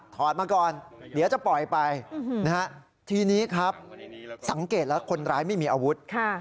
ทีนี้ครับสังเกตแล้วคนร้ายไม่มีอาวุธ